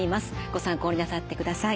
ご参考になさってください。